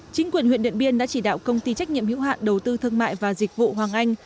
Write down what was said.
chính quyền huyện điện biên đã chỉ đạo công ty trách nhiệm hữu hạn đầu tư thương mại và dịch vụ hoàng anh